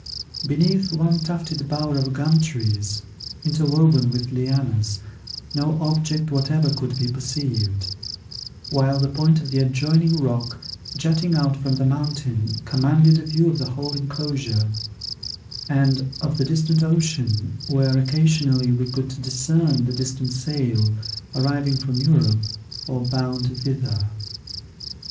Beneath one tufted bower of gum trees, interwoven with lianas, no object whatever could be perceived: while the point of the adjoining rock, jutting out from the mountain, commanded a view of the whole enclosure, and of the distant ocean, where, occasionally, we could discern the distant sail, arriving from Europe, or bound thither.